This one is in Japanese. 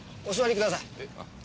お座りください。